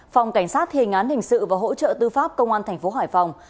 phòng cảnh sát thề ngán hình sự và hỗ trợ tư pháp công an tp hải phòng